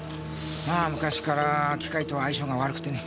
昔から機械とは相性が悪くてね。